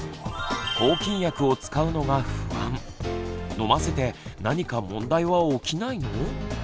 飲ませて何か問題は起きないの？